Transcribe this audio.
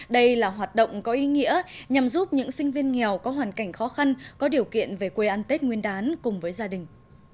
đây là hoạt động có ý nghĩa nhằm giúp những sinh viên nghèo có hoàn cảnh khó khăn có điều kiện về quê ăn tết nguyên đán cùng với gia đình